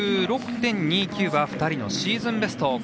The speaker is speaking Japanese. １１６．２９は２人のシーズンベスト。